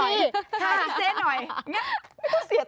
ให้เจ๊หน่อย